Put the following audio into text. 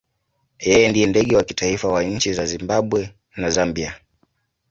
Yeye ndiye ndege wa kitaifa wa nchi za Zimbabwe na Zambia.